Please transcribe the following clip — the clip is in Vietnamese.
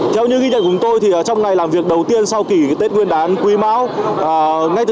theo như ghi nhận của tôi thì trong ngày làm việc đầu tiên sau kỳ tết nguyên đán quý máu ngay từ